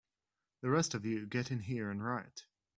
The rest of you get in here and riot!